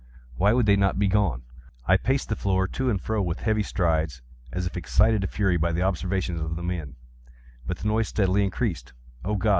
Why would they not be gone? I paced the floor to and fro with heavy strides, as if excited to fury by the observations of the men—but the noise steadily increased. Oh God!